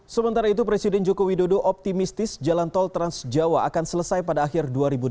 sementara itu presiden jokowi dodo optimistis jalan tol trans jawa akan selesai pada akhir dua ribu delapan belas